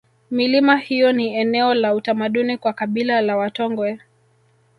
milima hiyo ni eneo la utamaduni kwa kabila la watongwe